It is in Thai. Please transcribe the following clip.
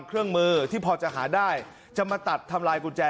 เครื่องมือที่พอจะหาได้จะมาตัดทำลายกุญแจ